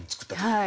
はい。